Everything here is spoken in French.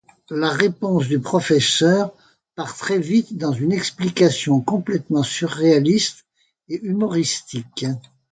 La réponse du professeur part très vite dans une explication complètement surréaliste et humoristique.